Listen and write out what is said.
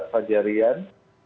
dan ada adrian